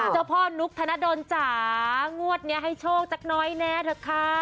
เจ้าพ่อนุ๊กธนดลจ๋างวดนี้ให้โชคจากน้อยแน่เถอะค่ะ